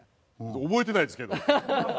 覚えてないですけど。